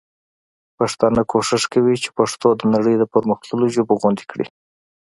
پښتانه کوښښ کوي چي پښتو د نړۍ د پر مختللو ژبو غوندي کړي.